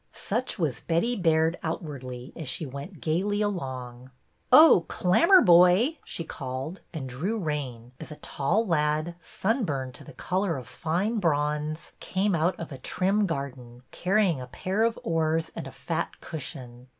Such was Betty Baird outwardly, as she went gayly along. Oh, Clammerboy !" she called, and drew rein, as a tall lad, sunburned to the color of fine bronze, came out of a trim garden, carrying a pair of oars and a fat cushion.